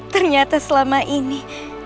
ternyata selama ini